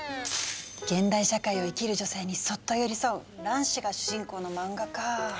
現代社会を生きる女性にそっと寄り添う卵子が主人公の漫画か。